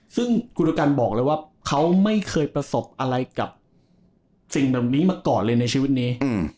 ซึ่งคุณประกันบอกเลยว่าเขาไม่เคยประสบอะไรกับสิ่งแบบนี้มาก่อนเลยในชีวิตนี้